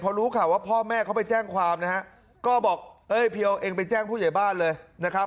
พอรู้ข่าวว่าพ่อแม่เขาไปแจ้งความนะฮะก็บอกเอ้ยเพียวเองไปแจ้งผู้ใหญ่บ้านเลยนะครับ